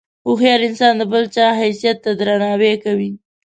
هوښیار انسان د بل چا حیثیت ته درناوی کوي.